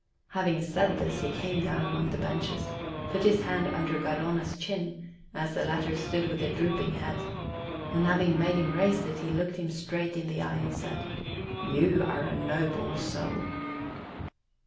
Having said this, he came down among the benches, put his hand under Garrone's chin, as the latter stood with drooping head, and having made him raise it, he looked him straight in the eye, and said, "You are a noble soul."